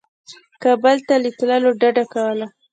کابل ته له تللو ډده کوله.